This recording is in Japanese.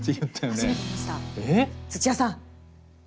土屋さん！